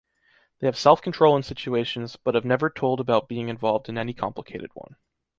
They have self-control in situations, but have never told about being involved in any complicated one.